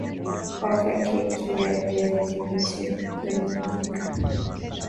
Oka keki ya viazi lishe kwenye jiko